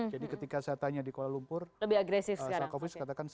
jadi ketika saya tanya di kuala lumpur sarkovic katakan